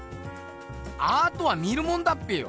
アートは見るもんだっぺよ！